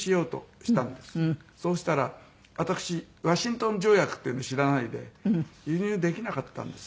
そうしたら私ワシントン条約っていうの知らないで輸入できなかったんです。